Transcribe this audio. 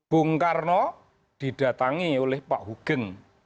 bung karno didatangi oleh pak hugeng